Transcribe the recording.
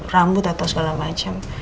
rambut atau segala macem